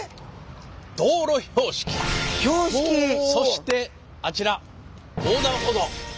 そしてあちら横断歩道！